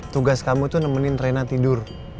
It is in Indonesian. tugas kamu tuh nemenin rena tidur